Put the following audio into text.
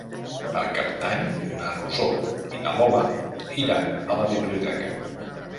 Per Cap d'Any na Rosó i na Lola iran a la biblioteca.